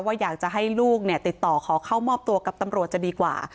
อยากจะให้ลูกติดต่อขอเข้ามอบตัวกับตำรวจจะดีกว่า